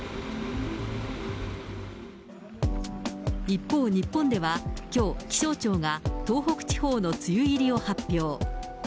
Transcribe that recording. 一方、日本ではきょう、気象庁が東北地方の梅雨入りを発表。